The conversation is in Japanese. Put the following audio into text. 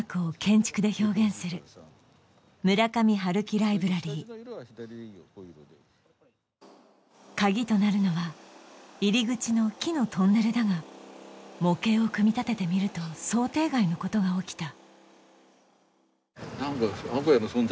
ライブラリーカギとなるのは入り口の木のトンネルだが模型を組み立ててみると想定外のことが起きたあ